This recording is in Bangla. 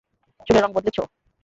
চুলের রং বদলেছ!